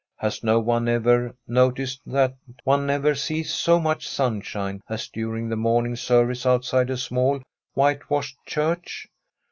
Has no one ever noticed that one never sees so much sunshine as during the morning service outside a small, whitewashed church